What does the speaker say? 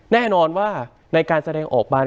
แน่นอนว่าในการแสดงออกมา